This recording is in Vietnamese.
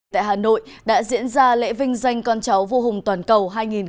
tại hà nội đã diễn ra lễ vinh danh con cháu vô hùng toàn cầu hai nghìn hai mươi bốn